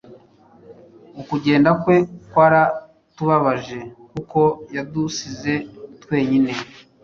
Ukugenda kwe kwaratubabaje kuko yadusize twenyine.